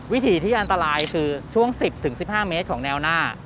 ถีที่อันตรายคือช่วง๑๐๑๕เมตรของแนวหน้า